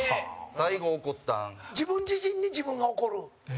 さんま：自分自身に自分が怒る。